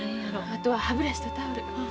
あとは歯ブラシとタオル。